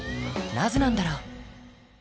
なぜなんだろう？